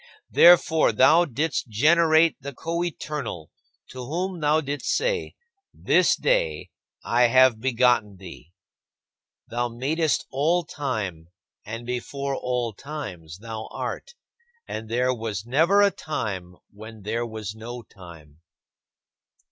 Therefore, thou didst generate the Coeternal, to whom thou didst say, "This day I have begotten thee." Thou madest all time and before all times thou art, and there was never a time when there was no time.